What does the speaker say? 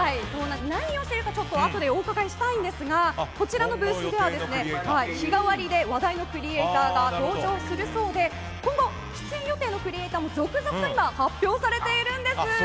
何をしているかあとでお伺いしたいんですがこちらのブースでは日替わりで話題のクリエーターが登場するそうで今後、出演予定のクリエーターも続々と発表されているんです。